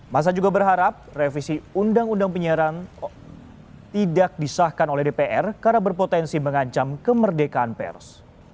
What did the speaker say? masa juga berharap revisi undang undang penyiaran tidak disahkan oleh dpr karena berpotensi mengancam kemerdekaan pers